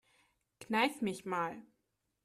Kneif mich mal.